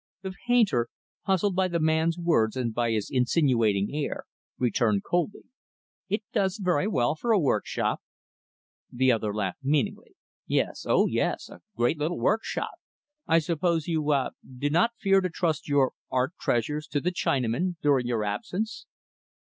The painter, puzzled by the man's words and by his insinuating air, returned coldly, "It does very well for a work shop." The other laughed meaningly; "Yes, oh yes a great little work shop. I suppose you ah do not fear to trust your art treasures to the Chinaman, during your absence?"